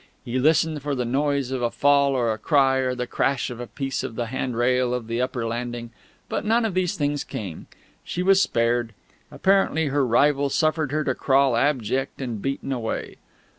He listened for the noise of a fall or a cry or the crash of a piece of the handrail of the upper landing; but none of these things came. She was spared. Apparently her rival suffered her to crawl abject and beaten away.